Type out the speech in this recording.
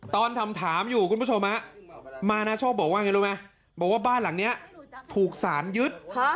ตอนทำถามอยู่คุณผู้ชมมานาโชคบอกว่าบ้านหลังนี้ถูกสารยึด